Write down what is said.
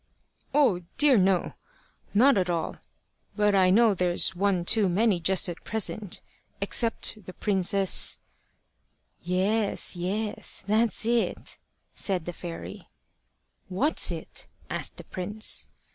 "Oh, dear, no! not at all. But I know there's one too many just at present, except the princess " "Yes, yes, that's it," said the fairy. "What's it?" asked the prince.